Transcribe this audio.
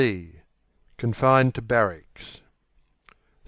C.B. Confined to barracks.